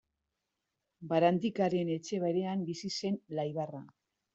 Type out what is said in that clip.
Barandikaren etxe berean bizi zen Laibarra.